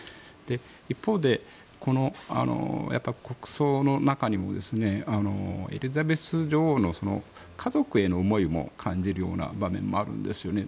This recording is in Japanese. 一方で国葬の中にもエリザベス女王の家族への思いも感じるような場面もあるんですよね。